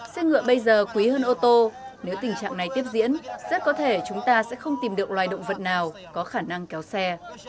xe ngựa bây giờ quý hơn ô tô nếu tình trạng này tiếp diễn rất có thể chúng ta sẽ không tìm được loài động vật nào có khả năng kéo xe